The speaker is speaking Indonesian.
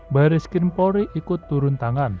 bareskin polri ikut turun tangan